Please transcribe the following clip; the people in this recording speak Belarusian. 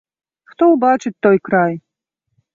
Хто ўбачыць той край?